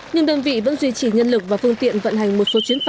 nhưng đơn vị vẫn duy trì nhân lực và phương tiện vận hành một số chuyến phà